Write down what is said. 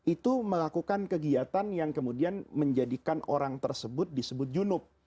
itu melakukan kegiatan yang kemudian menjadikan orang tersebut disebut junub